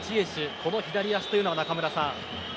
この左足というのは中村さん